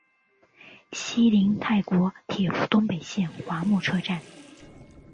西邻泰国铁路东北线华目车站。